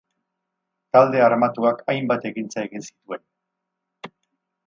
Talde armatuak hainbat ekintza egin zituen.